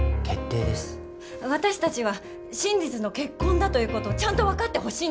私たちは真実の結婚だということをちゃんと分かってほしいんです。